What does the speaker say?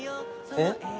えっ？